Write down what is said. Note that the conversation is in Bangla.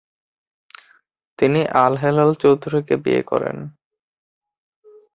তিনি আল হেলাল চৌধুরীকে বিয়ে করেন।